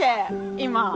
今。